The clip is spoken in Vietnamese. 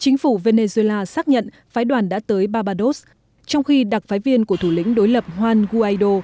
chính phủ venezuela xác nhận phái đoàn đã tới barbados trong khi đặc phái viên của thủ lĩnh đối lập juan guaido